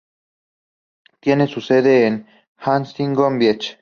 Tiene su sede en Huntington Beach.